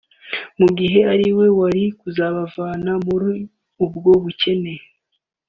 mu gihe ari we wari kuzabavana muri ubwo bukene